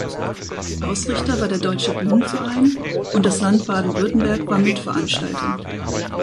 Ausrichter war der Deutsche Bühnenverein und das Land Baden-Württemberg war Mitveranstalter.